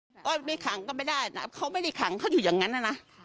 ก็ไม่ขังก็ไม่ได้นะเขาไม่ได้ขังเขาอยู่อย่างนั้นนะนะ